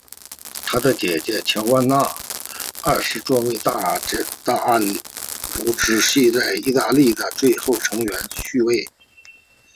他的姐姐乔万娜二世作为大安茹支系在意大利的最后成员继位。